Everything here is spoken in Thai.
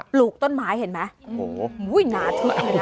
ปลูกต้นไม้เห็นไหมโอ้โหหนาทึกเลยนะ